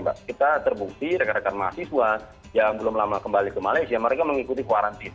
kita terbukti rekan rekan mahasiswa yang belum lama kembali ke malaysia mereka mengikuti kuarantis